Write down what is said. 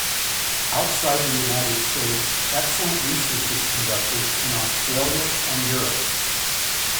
Outside the United States, excellent research is conducted in Australia and Europe.